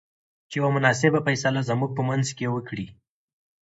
چې يوه مناسبه فيصله زموږ په منځ کې وکړۍ.